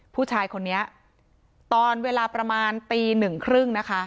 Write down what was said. ผู้ชายคนนี้ตอนเวลาประมาณปี๑๓๐นะคะ